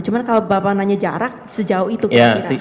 cuma kalau bapak nanya jarak sejauh itu kira kira